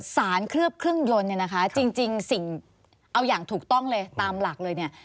เคลือบเครื่องยนต์เนี่ยนะคะจริงสิ่งเอาอย่างถูกต้องเลยตามหลักเลยเนี่ย